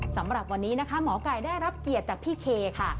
สำหรับวันนี้นะคะหมอไก่ได้รับเกียรติจากพี่เคค่ะ